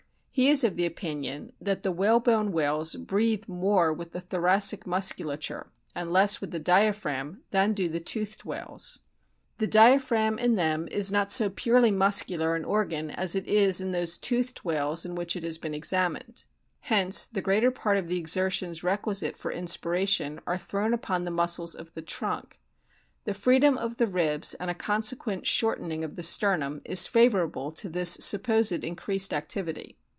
He is of opinion that the whalebone whales breathe more with the thoracic musculature and less with the diaphragm than do the toothed whales. The diaphragm in them is not so purely muscular an organ as it is in those toothed whales in which it has been examined. Hence the greater part of the exer tions requisite for inspiration are thrown upon the muscles of the trunk. The freedom of the ribs and a consequent shortening of the sternum is favourable to this supposed increased activity.